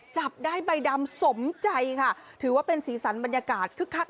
จับได้ใบดำสมใจค่ะถือว่าเป็นสีสันบรรยากาศคึกคัก